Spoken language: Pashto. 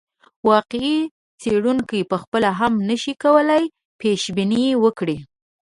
واقعي څېړونکی پخپله هم نه شي کولای پیشبیني وکړي.